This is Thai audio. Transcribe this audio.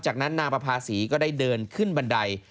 จากนั้นนางประภาษีก็ได้เดินขึ้นบันได